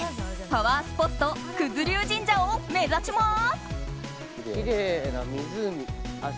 パワースポット九頭龍神社を目指します。